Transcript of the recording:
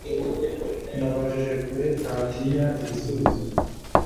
Nabajije kure ntatinya igisubizo